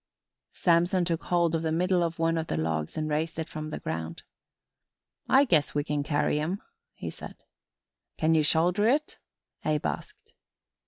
Samson took hold of the middle of one of the logs and raised it from the ground. "I guess we can carry 'em," he said. "Can ye shoulder it?" Abe asked.